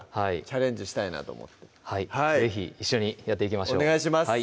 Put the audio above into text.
チャレンジしたいなと思って是非一緒にやっていきましょうお願いします